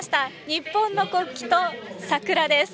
日本の国旗と桜です。